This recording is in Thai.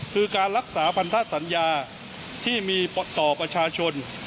คือการรักษาพันธสัญญาที่มีต่อประชาชน